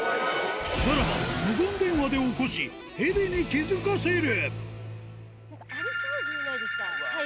ならば無言電話で起こし、ヘビに気付かせる。